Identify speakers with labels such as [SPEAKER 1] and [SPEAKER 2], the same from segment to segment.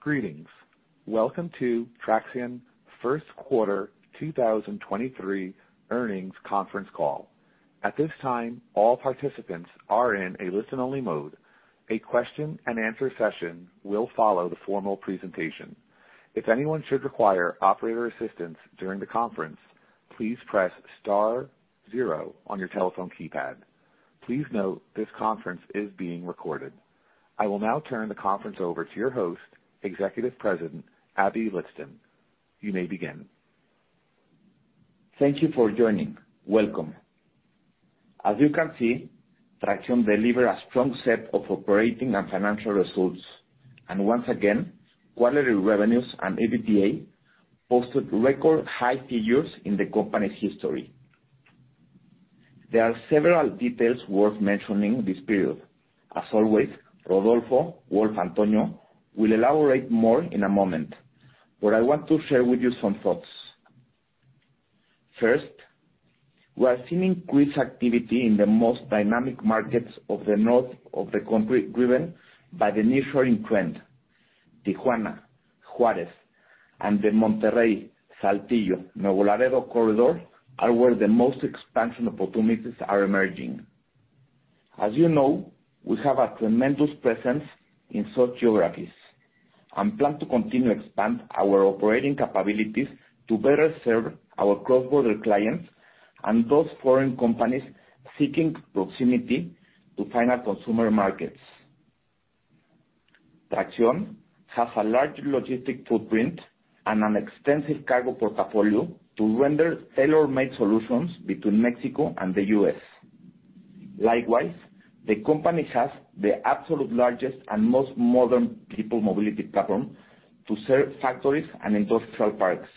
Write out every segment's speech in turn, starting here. [SPEAKER 1] Greetings. Welcome to Traxión First Quarter 2023 Earnings Conference Call. At this time, all participants are in a listen-only mode. A question-and-answer session will follow the formal presentation. If anyone should require operator assistance during the conference, please press star zero on your telephone keypad. Please note this conference is being recorded. I will now turn the conference over to your host, Executive President, Aby Lijtszain. You may begin.
[SPEAKER 2] Thank you for joining. Welcome. As you can see, Traxión deliver a strong set of operating and financial results. Once again, quarterly revenues and EBITDA posted record high figures in the company's history. There are several details worth mentioning this period. As always, Rodolfo, Wolf, Antonio will elaborate more in a moment. I want to share with you some thoughts. First, we are seeing increased activity in the most dynamic markets of the north of the country, driven by the initial increment. Tijuana, Juárez, and the Monterrey, Saltillo, Nuevo Laredo corridor are where the most expansion opportunities are emerging. As you know, we have a tremendous presence in such geographies and plan to continue to expand our operating capabilities to better serve our cross-border clients and those foreign companies seeking proximity to final consumer markets. Traxión has a large logistic footprint and an extensive cargo portfolio to render tailor-made solutions between Mexico and the US. Likewise, the company has the absolute largest and most modern people mobility platform to serve factories and industrial parks.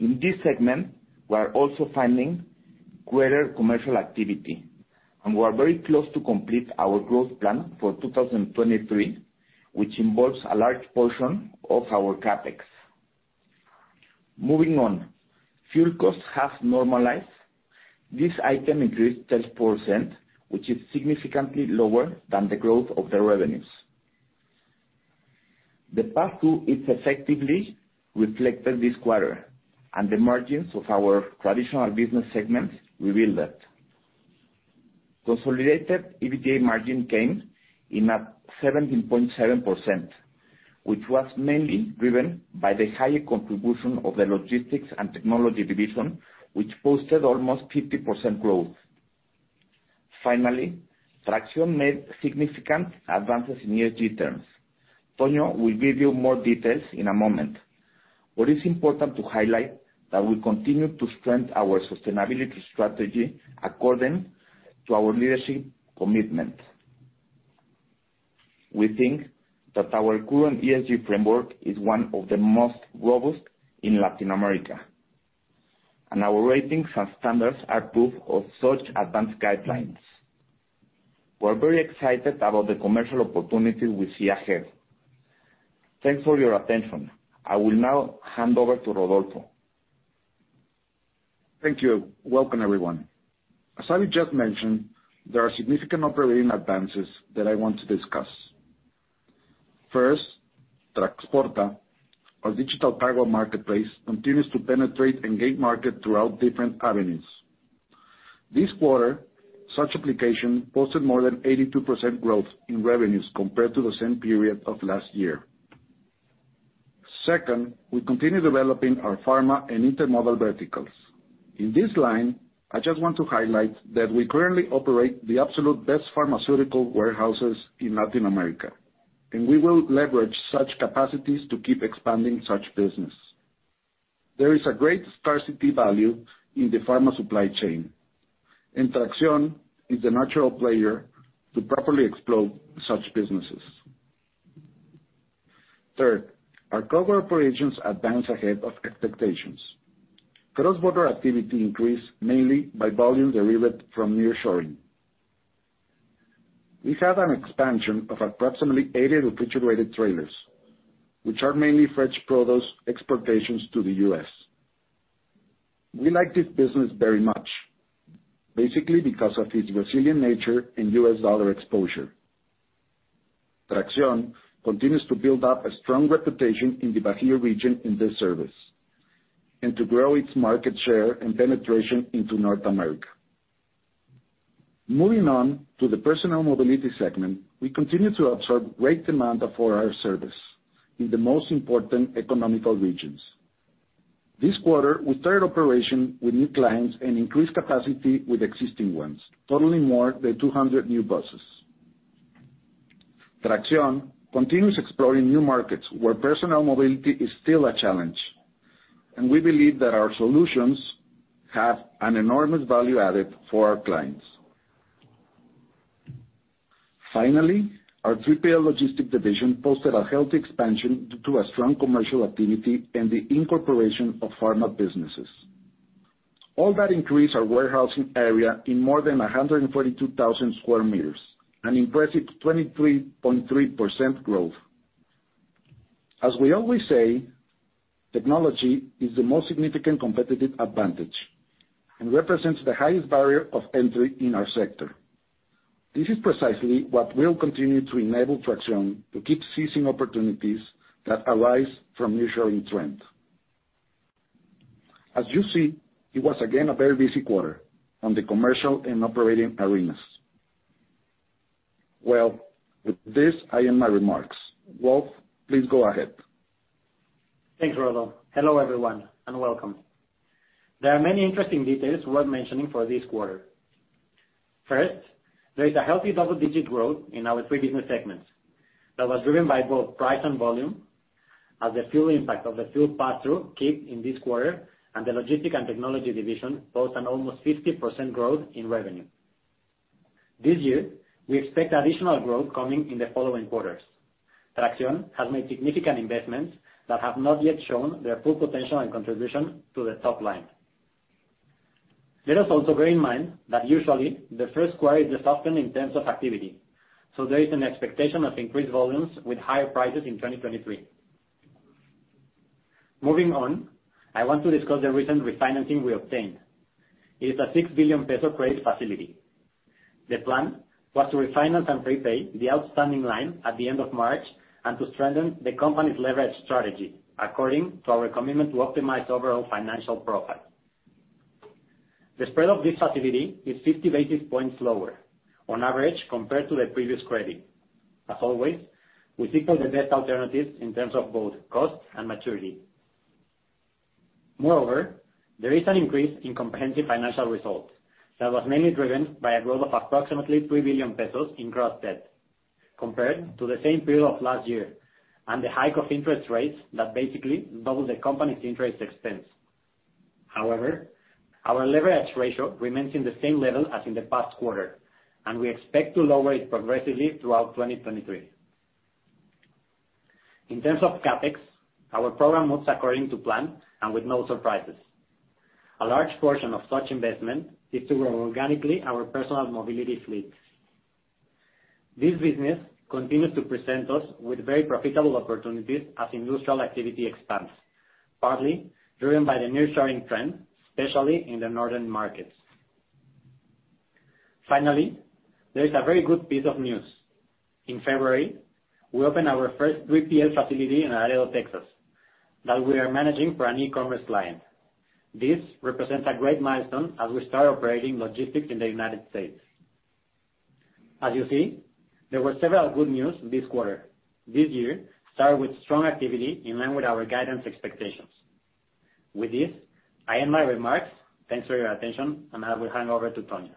[SPEAKER 2] In this segment, we are also finding greater commercial activity, and we are very close to complete our growth plan for 2023, which involves a large portion of our CapEx. Moving on, fuel costs have normalized. This item increased 10%, which is significantly lower than the growth of the revenues. The path to it effectively reflected this quarter, and the margins of our traditional business segments reveal that. Consolidated EBITDA margin came in at 17.7%, which was mainly driven by the higher contribution of the logistics and technology division, which posted almost 50% growth. Finally, Traxión made significant advances in ESG terms. Tonio will give you more details in a moment. What is important to highlight that we continue to strengthen our sustainability strategy according to our leadership commitment. We think that our current ESG framework is one of the most robust in Latin America, and our ratings and standards are proof of such advanced guidelines. We're very excited about the commercial opportunity we see ahead. Thanks for your attention. I will now hand over to Rodolfo.
[SPEAKER 3] Thank you. Welcome, everyone. As Aby just mentioned, there are significant operating advances that I want to discuss. First, Traxporta, our digital cargo marketplace, continues to penetrate and gain market throughout different avenues. This quarter, such application posted more than 82% growth in revenues compared to the same period of last year. Second, we continue developing our pharma and intermodal verticals. In this line, I just want to highlight that we currently operate the absolute best pharmaceutical warehouses in Latin America, and we will leverage such capacities to keep expanding such business. There is a great scarcity value in the pharma supply chain, and Traxión is the natural player to properly explore such businesses. Third, our cargo operations advance ahead of expectations. Cross-border activity increased mainly by volume derived from nearshoring. We have an expansion of approximately 80 refrigerated trailers, which are mainly fresh produce exportations to the US. We like this business very much, basically because of its resilient nature in US dollar exposure. Traxión continues to build up a strong reputation in the Bajío region in this service and to grow its market share and penetration into North America. Moving on to the personal mobility segment, we continue to absorb great demand for our service in the most important economical regions. This quarter, we started operation with new clients and increased capacity with existing ones, totaling more than 200 new buses. Traxión continues exploring new markets where personal mobility is still a challenge, and we believe that our solutions have an enormous value added for our clients. Finally, our 3PL logistic division posted a healthy expansion due to a strong commercial activity and the incorporation of pharma businesses. All that increased our warehousing area in more than 142,000 square meters, an impressive 23.3% growth. As we always say, Technology is the most significant competitive advantage and represents the highest barrier of entry in our sector. This is precisely what will continue to enable Traxión to keep seizing opportunities that arise from mutual interest. As you see, it was again a very busy quarter on the commercial and operating arenas. With this, I end my remarks. Wolf, please go ahead.
[SPEAKER 4] Thanks, Rolo. Hello, everyone, and welcome. There are many interesting details worth mentioning for this quarter. First, there is a healthy double-digit growth in our three business segments that was driven by both price and volume as the fuel impact of the fuel pass-through keep in this quarter and the logistics and technology division both an almost 50% growth in revenue. This year, we expect additional growth coming in the following quarters. Traxión has made significant investments that have not yet shown their full potential and contribution to the top line. Let us also bear in mind that usually the first quarter is the soften in terms of activity, so there is an expectation of increased volumes with higher prices in 2023. Moving on, I want to discuss the recent refinancing we obtained. It is a 6 billion peso credit facility. The plan was to refinance and prepay the outstanding line at the end of March and to strengthen the company's leverage strategy according to our commitment to optimize overall financial profile. The spread of this facility is 50 basis points lower on average compared to the previous credit. There is an increase in comprehensive financial results that was mainly driven by a growth of approximately 3 billion pesos in gross debt compared to the same period of last year, and the hike of interest rates that basically double the company's interest expense. Our leverage ratio remains in the same level as in the past quarter, and we expect to lower it progressively throughout 2023. In terms of CapEx, our program moves according to plan and with no surprises. A large portion of such investment is to grow organically our personal mobility fleet. This business continues to present us with very profitable opportunities as industrial activity expands, partly driven by the nearshoring trend, especially in the northern markets. Finally, there is a very good piece of news. In February, we opened our first 3PL facility in Laredo, Texas, that we are managing for an e-commerce client. This represents a great milestone as we start operating logistics in the United States. As you see, there were several good news this quarter. This year started with strong activity in line with our guidance expectations. With this, I end my remarks. Thanks for your attention, and I will hand over to Tonio.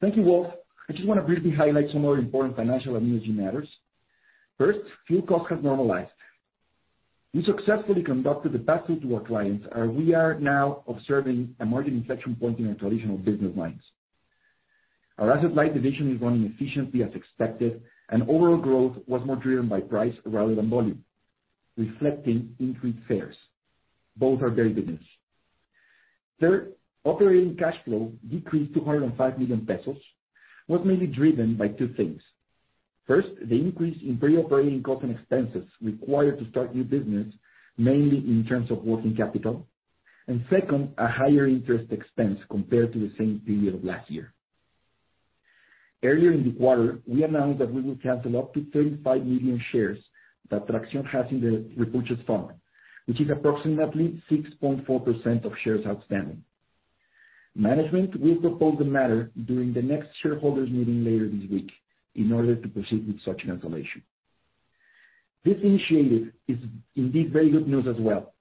[SPEAKER 5] Thank you, Wolf. I just wanna briefly highlight some more important financial energy matters. First, fuel costs have normalized. We successfully conducted the pass-through to our clients, and we are now observing a margin inflection point in our traditional business lines. Our asset-light division is running efficiently as expected, and overall growth was more driven by price rather than volume, reflecting increased fares. Both are very business. Third, operating cash flow decreased 205 million pesos, was mainly driven by two things. First, the increase in pre-operating costs and expenses required to start new business, mainly in terms of working capital. Second, a higher interest expense compared to the same period of last year. Earlier in the quarter, we announced that we will cancel up to 35 million shares that Traxión has in the repurchase fund, which is approximately 6.4% of shares outstanding. Management will propose the matter during the next shareholders meeting later this week in order to proceed with such cancellation. This initiative is indeed very good news as well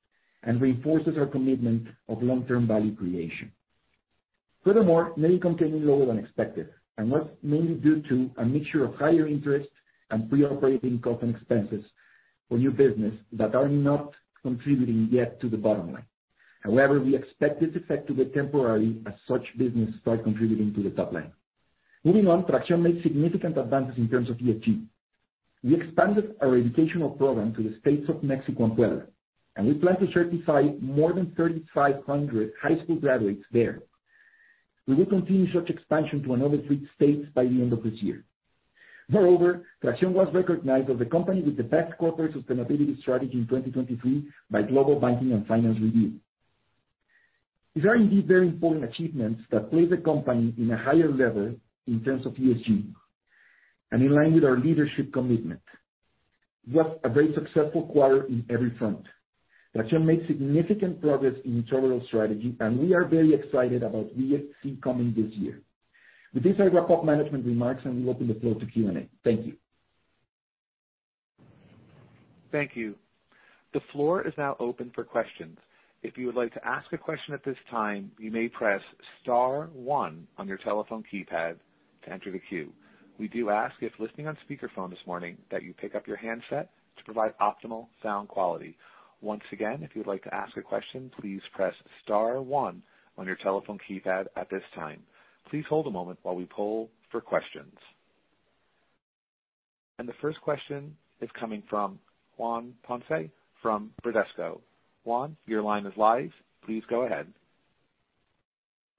[SPEAKER 5] and reinforces our commitment of long-term value creation. Furthermore, net income came in lower than expected and was mainly due to a mixture of higher interest and pre-operating costs and expenses for new business that are not contributing yet to the bottom line. However, we expect this effect to be temporary as such business start contributing to the top line. Moving on, Traxión made significant advances in terms of ESG. We expanded our educational program to the states of Mexico and Puebla, and we plan to certify more than 3,500 high school graduates there. We will continue such expansion to another three states by the end of this year. Moreover, Traxión was recognized as the company with the best corporate sustainability strategy in 2023 by Global Banking & Finance Review. These are indeed very important achievements that place the company in a higher level in terms of ESG and in line with our leadership commitment. We have a very successful quarter in every front. Traxión made significant progress in its overall strategy, and we are very excited about what we see coming this year. With this, I wrap up management remarks, and we open the floor to Q&A. Thank you.
[SPEAKER 1] Thank you. The floor is now open for questions. If you would like to ask a question at this time, you may press star one on your telephone keypad to enter the queue. We do ask, if listening on speaker phone this morning, that you pick up your handset to provide optimal sound quality. Once again, if you would like to ask a question, please press star one on your telephone keypad at this time. Please hold a moment while we poll for questions. The first question is coming from Juan Ponce, from Bradesco. Juan, your line is live. Please go ahead.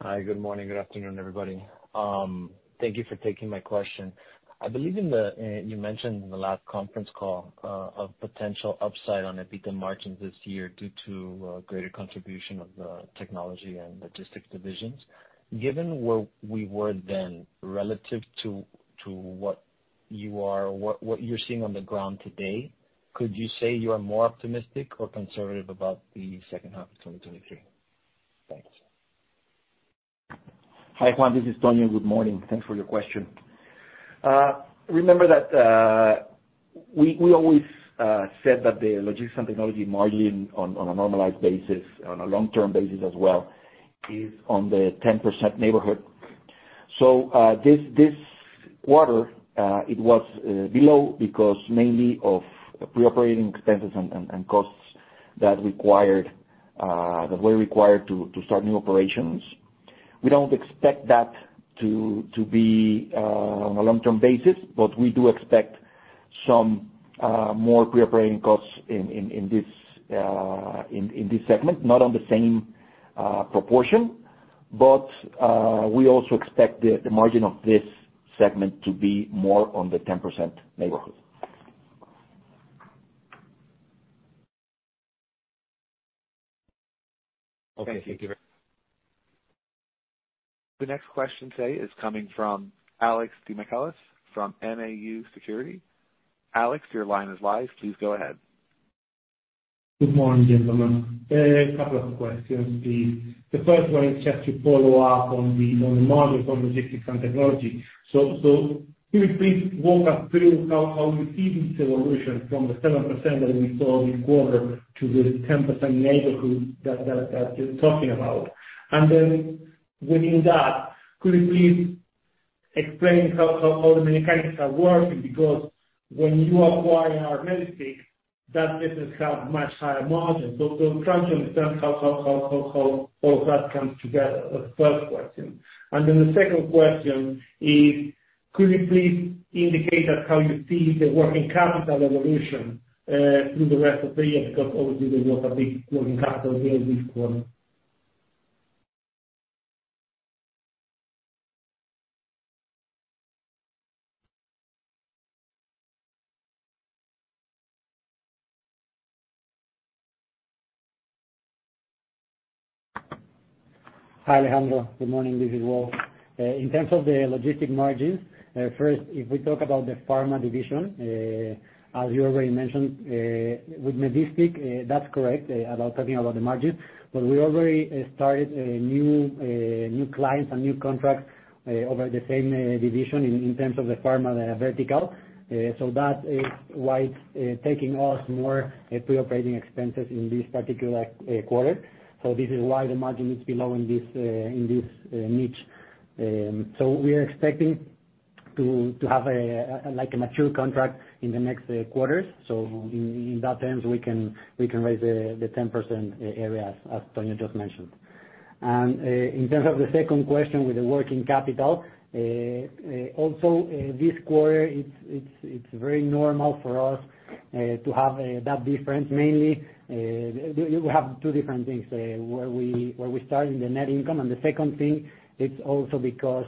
[SPEAKER 6] Hi, good morning. Good afternoon, everybody. Thank you for taking my question. I believe in the you mentioned in the last conference call of potential upside on EBITDA margins this year due to greater contribution of the technology and logistics divisions. Given where we were then relative to what you're seeing on the ground today, could you say you are more optimistic or conservative about the second half of 2023? Thanks.
[SPEAKER 5] Hi, Juan, this is Tony. Good morning. Thanks for your question. Remember that we always said that the logistics and technology margin on a normalized basis, on a long-term basis as well is on the 10% neighborhood. This quarter it was below because mainly of pre-operating expenses and costs that were required to start new operations. We don't expect that to be on a long-term basis, but we do expect some more pre-operating costs in this segment, not on the same proportion. We also expect the margin of this segment to be more on the 10% neighborhood.
[SPEAKER 6] Okay. Thank you.
[SPEAKER 1] The next question today is coming from Alejandro Demichelis from Nau Securities. Alex, your line is live. Please go ahead.
[SPEAKER 7] Good morning, gentlemen. A couple of questions please. The first one is just to follow up on the margin from logistics and technology. Can you please walk us through how you see this evolution from the 7% that we saw this quarter to the 10% neighborhood that you're talking about? Within that, could you please explain how the mechanics are working? Because when you acquire our Medistik, that business have much higher margins. Trying to understand how all that comes together, the first question. The second question is, could you please indicate us how you see the working capital evolution through the rest of the year? Because obviously there was a big working capital gain this quarter.
[SPEAKER 8] Hi, Alejandro. Good morning. This is Raul. In terms of the logistics margins, first, if we talk about the pharma division, as you already mentioned, with Medistik, that's correct about talking about the margins. We already started new clients and new contracts over the same division in terms of the pharma vertical. That is why it's taking us more pre-operating expenses in this particular quarter. This is why the margin is below in this niche. We are expecting to have like a mature contract in the next quarters. In that terms, we can raise the 10% area as Tony just mentioned. In terms of the second question with the working capital, also, this quarter, it's very normal for us to have that difference mainly. We have two different things where we start in the net income. The second thing, it's also because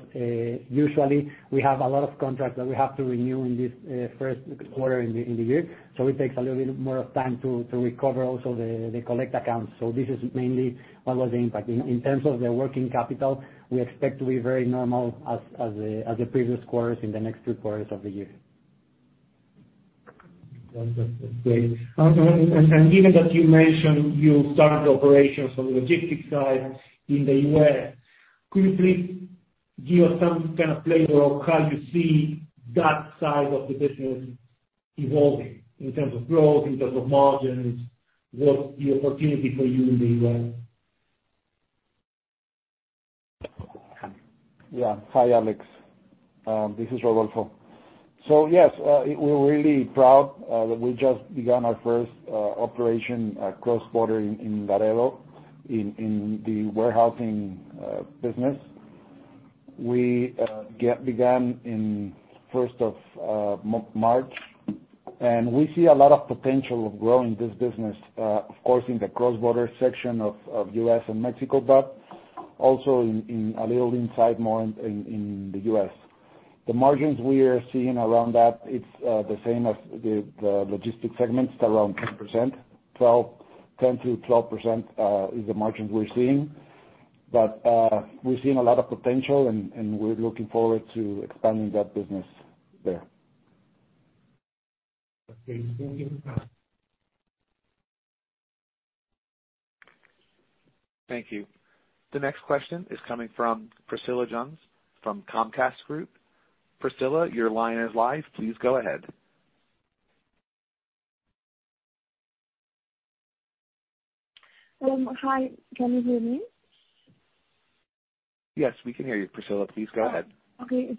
[SPEAKER 8] usually we have a lot of contracts that we have to renew in this first quarter in the year, so it takes a little bit more of time to recover also the collect accounts. This is mainly what was the impact. In terms of the working capital, we expect to be very normal as the previous quarters in the next three quarters of the year.
[SPEAKER 7] Wonderful. Great. Given that you mentioned you started operations on the logistics side in the U.S., could you please give us some kind of flavor of how you see that side of the business evolving in terms of growth, in terms of margins? What's the opportunity for you in the U.S.?
[SPEAKER 3] Yeah. Hi, Alex, this is Rodolfo. Yes, we're really proud that we just began our first operation cross-border in Laredo in the warehousing business. We began in first of March, and we see a lot of potential of growing this business, of course, in the cross-border section of U.S. and Mexico, but also in a little inside more in the U.S. The margins we are seeing around that, it's the same as the logistics segments, around 10%. 10%-12% is the margins we're seeing. We're seeing a lot of potential and we're looking forward to expanding that business there.
[SPEAKER 7] Okay. Thank you.
[SPEAKER 1] Thank you. The next question is coming from Priscilla Rangel from Comcast Group. Priscila, your line is live. Please go ahead.
[SPEAKER 9] Hi. Can you hear me?
[SPEAKER 1] Yes, we can hear you, Priscila. Please go ahead.
[SPEAKER 9] Okay.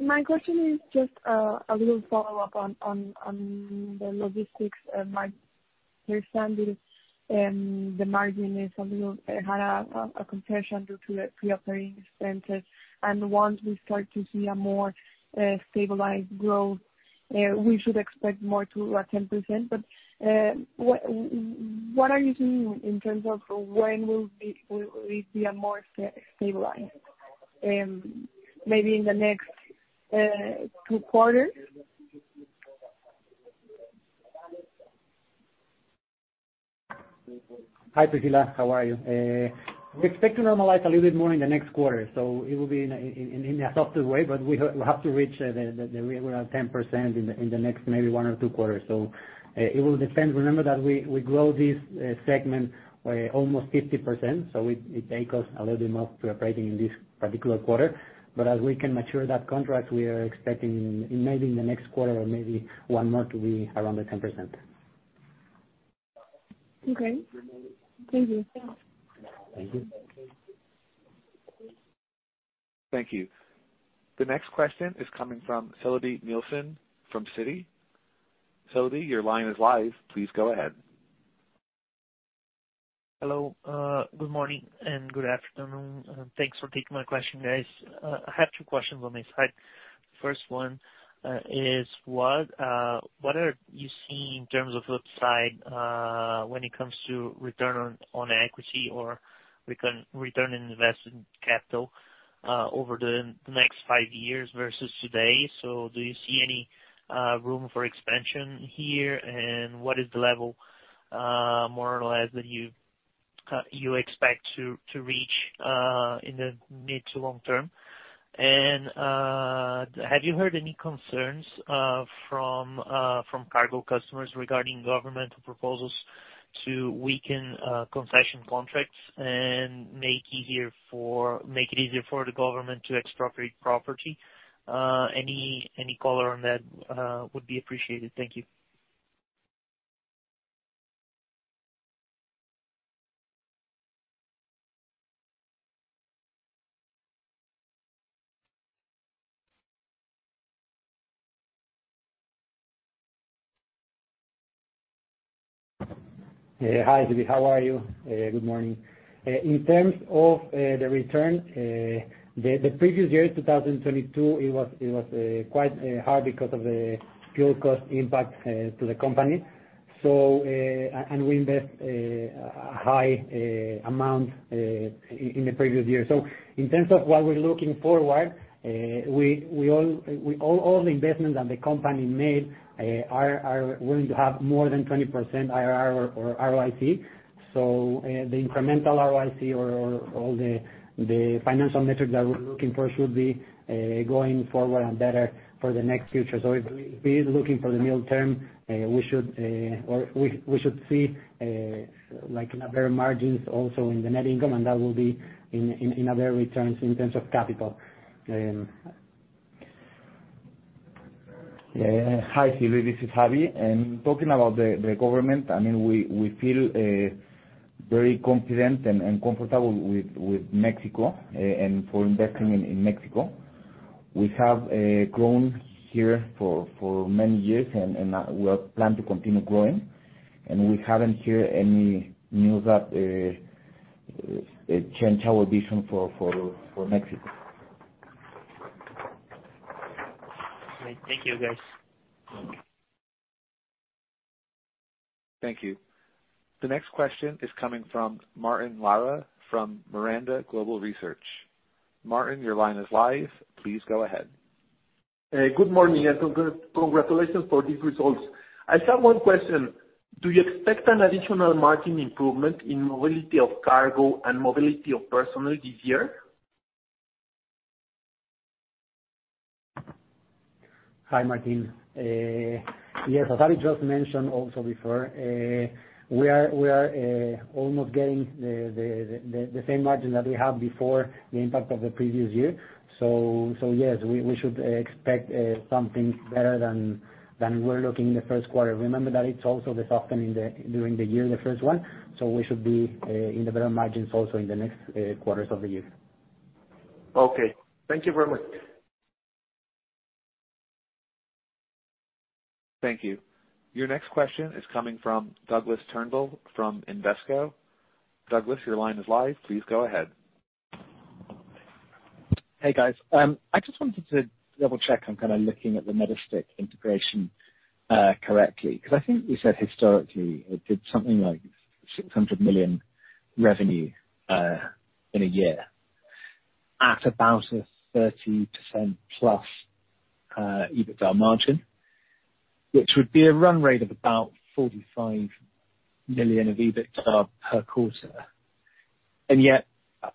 [SPEAKER 9] My question is just a little follow-up on the logistics. My understanding, the margin is a little had a confession due to pre-operating expenses. Once we start to see a more stabilized growth, we should expect more to 10%. What are you seeing in terms of when will it be a more stabilized? Maybe in the next- 2 quarters?
[SPEAKER 8] Hi, Priscila. How are you? We expect to normalize a little bit more in the next quarter, so it will be in a softer way, but we have to reach we're at 10% in the next maybe one or two quarters. It will depend. Remember that we grow this segment by almost 50%, so it takes us a little bit more to operating in this particular quarter. As we can mature that contract, we are expecting maybe in the next quarter or maybe one more to be around the 10%.
[SPEAKER 10] Okay. Thank you.
[SPEAKER 8] Thank you.
[SPEAKER 1] Thank you. The next question is coming from Silvia Serrano from Citi. Silvia, your line is live. Please go ahead.
[SPEAKER 11] Hello. Good morning and good afternoon, and thanks for taking my question, guys. I have two questions on my side. First one is what are you seeing in terms of upside when it comes to return on equity or return in investment capital over the next 5 years versus today? Do you see any room for expansion here? What is the level more or less that you expect to reach in the mid to long term? Have you heard any concerns from cargo customers regarding governmental proposals to weaken concession contracts and make it easier for the government to expropriate property? Any color on that would be appreciated. Thank you.
[SPEAKER 8] Hi, Silvia. How are you? Good morning. In terms of the return, the previous years, 2022, it was quite hard because of the fuel cost impact to the company. And we invest a high amount in the previous year. In terms of what we're looking forward, all the investments that the company made are going to have more than 20% IRR or ROIC. The incremental ROIC or all the financial metrics that we're looking for should be going forward and better for the next future. If we looking for the midterm, we should or we should see like in a better margins also in the net income, and that will be in other returns in terms of capital.
[SPEAKER 2] Hi, Silvia, this is Aby. Talking about the government, I mean, we feel very confident and comfortable with Mexico and for investing in Mexico. We have grown here for many years and we are planned to continue growing. We haven't hear any news that change our vision for Mexico.
[SPEAKER 11] Great. Thank you, guys.
[SPEAKER 1] Thank you. The next question is coming from Martín Lara from Miranda Global Research. Martín, your line is live. Please go ahead.
[SPEAKER 12] Good morning, and congratulations for these results. I have one question. Do you expect an additional margin improvement in mobility of cargo and mobility of personnel this year?
[SPEAKER 8] Hi, Martín. Yes, as Aby just mentioned also before, we are almost getting the same margin that we had before the impact of the previous year. Yes, we should expect something better than we're looking in the first quarter. Remember that it's also the softening during the year, the first one. We should be in the better margins also in the next quarters of the year.
[SPEAKER 12] Okay. Thank you very much.
[SPEAKER 1] Thank you. Your next question is coming from Douglas Turnbull from Invesco. Douglas, your line is live. Please go ahead.
[SPEAKER 10] Hey, guys. I just wanted to double-check I'm kinda looking at the Medistik integration correctly, 'cause I think you said historically it did something like 600 million revenue in a year at about a 30%+ EBITDA margin, which would be a run rate of about 45 million of EBITDA per quarter. Yet,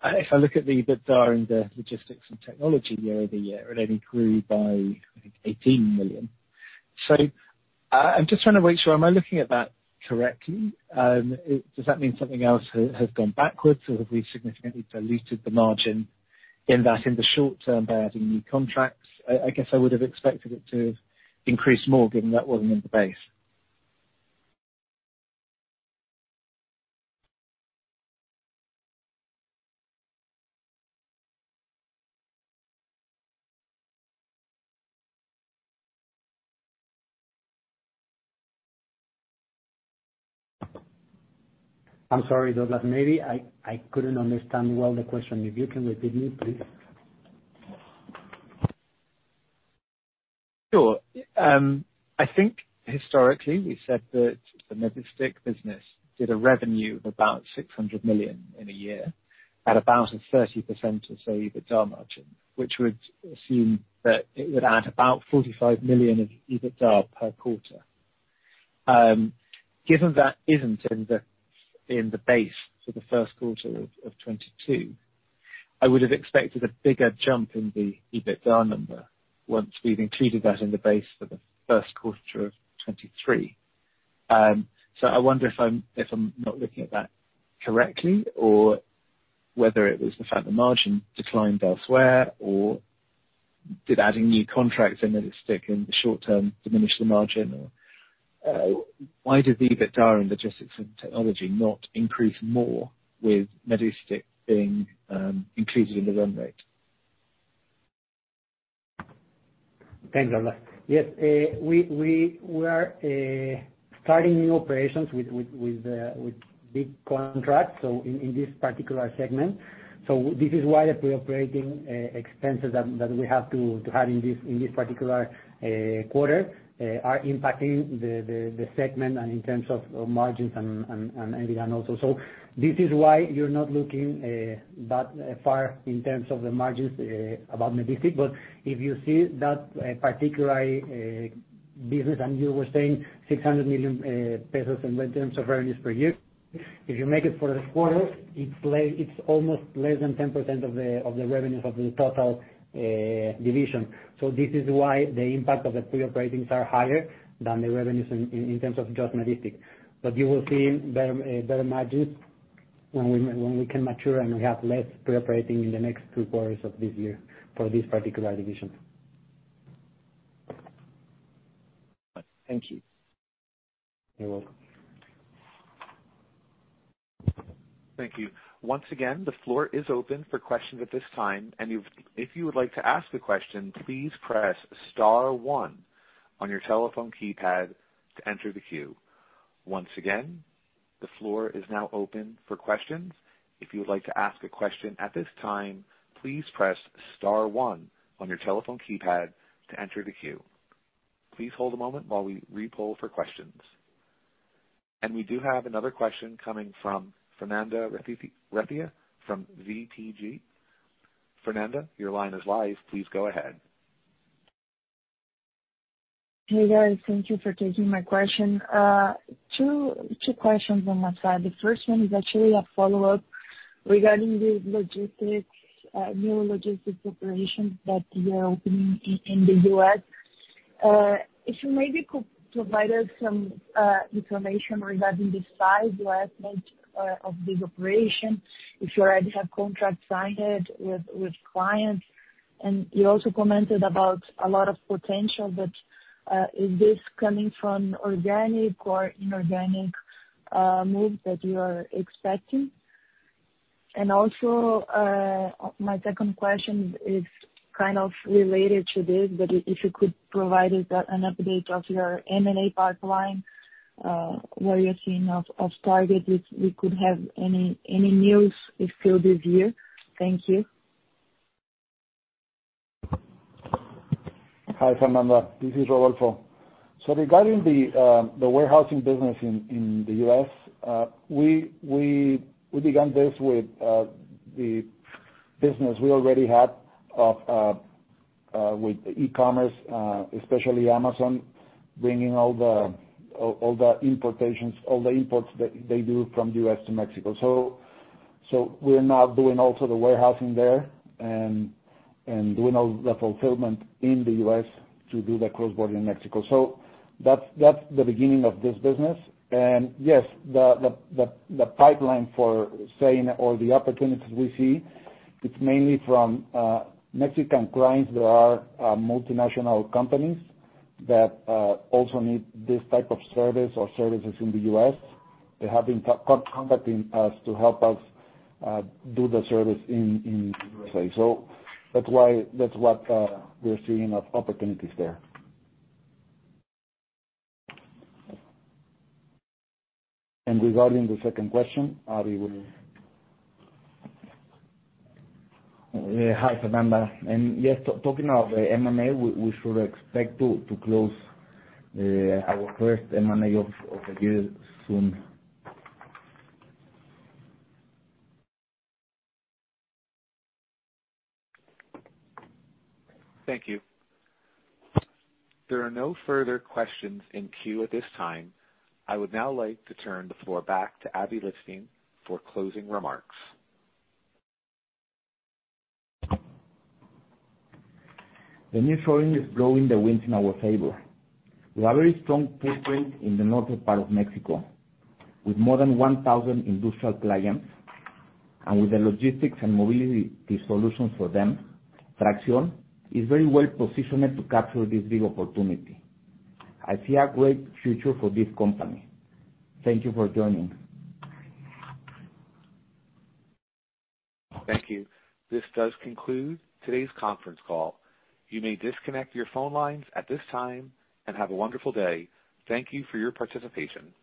[SPEAKER 10] if I look at the EBITDA in the logistics and technology year-over-year, it only grew by, I think, 18 million. I'm just trying to make sure, am I looking at that correctly? Does that mean something else has gone backwards or have we significantly diluted the margin in that in the short term by adding new contracts? I guess I would have expected it to increase more given that wasn't in the base.
[SPEAKER 8] I'm sorry, Douglas. Maybe I couldn't understand well the question. If you can repeat it, please.
[SPEAKER 10] Sure. I think historically we said that the Medistik business did a revenue of about 600 million in a year at about a 30% or so EBITDA margin, which would assume that it would add about 45 million of EBITDA per quarter. Given that isn't in the base for the first quarter of 2022, I would have expected a bigger jump in the EBITDA number once we've included that in the base for the first quarter of 2023. I wonder if I'm not looking at that correctly or whether it was the fact the margin declined elsewhere or did adding new contracts in Medistik in the short term diminish the margin? Or, why did the EBITDA in logistics and technology not increase more with Medistik being, included in the run rate?
[SPEAKER 5] Thanks, Douglas. Yes. We are starting new operations with big contracts in this particular segment. This is why the pre-operating expenses that we have to have in this particular quarter are impacting the segment and in terms of margins and EBITDA also. This is why you're not looking that far in terms of the margins about Medistik. If you see that particular business, and you were saying 600 million pesos in terms of revenues per year, if you make it for the quarter, it's almost less than 10% of the revenues of the total division. This is why the impact of the pre-operating are higher than the revenues in terms of just Medistik. You will see better margins when we can mature and we have less pre-operating in the next 2 quarters of this year for this particular division.
[SPEAKER 10] Thank you.
[SPEAKER 5] You're welcome.
[SPEAKER 1] Thank you. Once again, the floor is open for questions at this time. If you would like to ask a question, please press star one on your telephone keypad to enter the queue. Once again, the floor is now open for questions. If you would like to ask a question at this time, please press star one on your telephone keypad to enter the queue. Please hold a moment while we re-poll for questions. We do have another question coming from Fernanda Pereyra from BTG. Fernanda, your line is live. Please go ahead.
[SPEAKER 13] Hey, guys. Thank you for taking my question. Two questions on my side. The first one is actually a follow-up regarding the logistics new logistics operations that you are opening in the US. If you maybe could provide us some information regarding the size or estimate of this operation, if you already have contract signed with clients? You also commented about a lot of potential, but is this coming from organic or inorganic moves that you are expecting? Also, my second question is kind of related to this, but if you could provide us an update of your M&A pipeline, what you're seeing of targets, if we could have any news if still this year? Thank you.
[SPEAKER 3] Hi, Fernanda. This is Rodolfo. Regarding the warehousing business in the U.S., we began this with the business we already had with e-commerce, especially Amazon, bringing all the importations, all the imports that they do from the U.S. to Mexico. We're now doing also the warehousing there and doing all the fulfillment in the U.S. to do the cross-border in Mexico. That's the beginning of this business. Yes, the pipeline for saying all the opportunities we see, it's mainly from Mexican clients that are multinational companies that also need this type of service or services in the U.S. They have been contacting us to help us do the service in USA. That's why... that's what, we're seeing of opportunities there. Regarding the second question, Aby.
[SPEAKER 2] Yeah. Hi, Fernanda. Yes, talking of M&A, we should expect to close our first M&A of the year soon.
[SPEAKER 1] Thank you. There are no further questions in queue at this time. I would now like to turn the floor back to Aby Lijtszain for closing remarks.
[SPEAKER 2] The nearshoring is blowing the winds in our favor. We have a very strong footprint in the northern part of Mexico with more than 1,000 industrial clients. With the logistics and mobility solutions for them, Traxión is very well positioned to capture this big opportunity. I see a great future for this company. Thank you for joining.
[SPEAKER 1] Thank you. This does conclude today's conference call. You may disconnect your phone lines at this time, and have a wonderful day. Thank you for your participation.